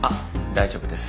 大丈夫です。